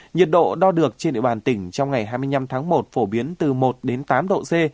nhiệt độ đo được trên địa bàn tỉnh trong ngày hai mươi năm tháng một phổ biến từ một đến tám độ c